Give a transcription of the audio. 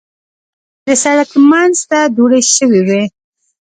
د سړک منځ ته دوړې شوې وې.